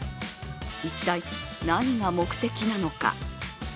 一体、何が目的なのか。